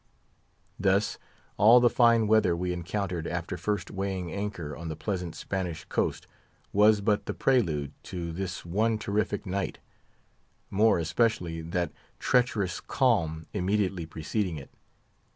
Thus, all the fine weather we encountered after first weighing anchor on the pleasant Spanish coast, was but the prelude to this one terrific night; more especially, that treacherous calm immediately preceding it.